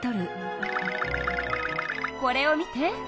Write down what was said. これを見て。